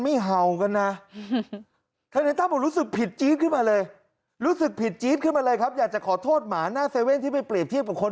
ทำทั้งทีต้องเอาให้ตาย